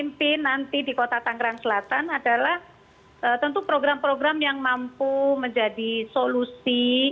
pemimpin nanti di kota tangerang selatan adalah tentu program program yang mampu menjadi solusi